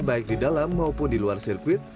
baik di dalam maupun di luar sirkuit